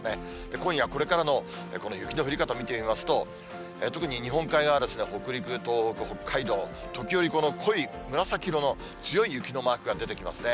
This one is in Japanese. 今夜これからのこの雪の降り方を見てみますと、特に日本海側ですね、北陸、東北、北海道、時折、濃い紫色の強い雪のマークが出てきますね。